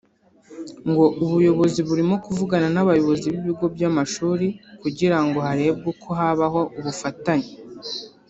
ngo ubuyobozi burimo kuvugana n’abayobozi b’ibigo by’amashuri kugira ngo harebwe uko habaho ubufatanye